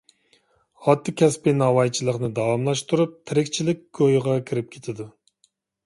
ئاتا كەسپى ناۋايچىلىقنى داۋاملاشتۇرۇپ، تىرىكچىلىك كويىغا كېرىپ كېتىدۇ.